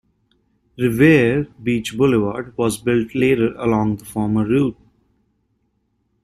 Revere Beach Boulevard was built later along the former route.